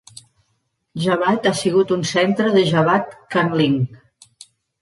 Javad ha sigut un centre de Javad Khanlig.